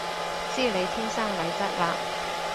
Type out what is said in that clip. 知你天生麗質嘞